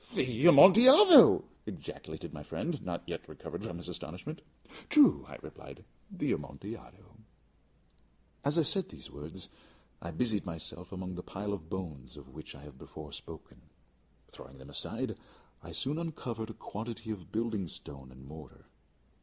"The Amontillado!" ejaculated my friend, not yet recovered from his astonishment. "True," I replied; "the Amontillado." As I said these words I busied myself among the pile of bones of which I have before spoken. Throwing them aside, I soon uncovered a quantity of building stone and mortar.